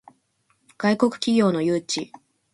外国企業の誘致